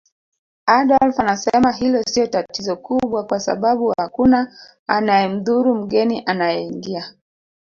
Adolf anasema hilo siyo tatizo kubwa kwa sababu hakuna anayemdhuru mgeni anayeingia